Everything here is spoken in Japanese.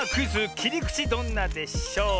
「きりくちどんなでショー」。